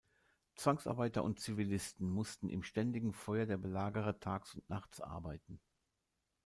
Zwangsarbeiter und Zivilisten mussten im ständigen Feuer der Belagerer tags und nachts arbeiten.